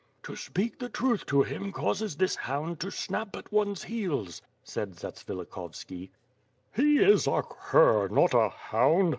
"To speak the truth to him causes this hound to snap at one's heels/' said Zatsvilikhovski. "He is a cur, not a hound!"